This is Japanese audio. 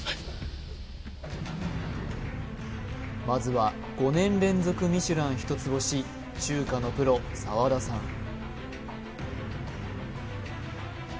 まずは５年連続ミシュラン一つ星中華のプロ澤田さん